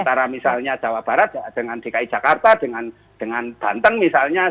antara misalnya jawa barat dengan dki jakarta dengan banten misalnya